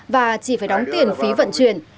và chỉ phải đóng tiền phí vận chuyển